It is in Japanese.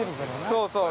◆そうそう。